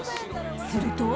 すると？